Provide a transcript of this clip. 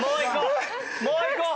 もういこう。